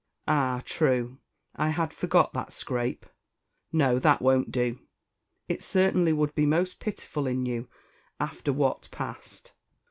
"Ah! true, I had forgot that scrape. No, that won't do; it certainly would be most pitiful in you, after what passed.